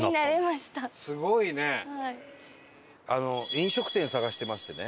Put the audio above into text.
飲食店探してましてね。